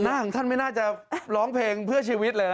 ของท่านไม่น่าจะร้องเพลงเพื่อชีวิตเลยนะ